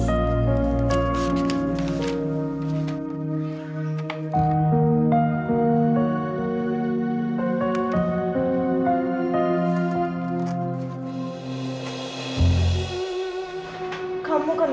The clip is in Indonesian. sekarang saya mau pergi ke sekolah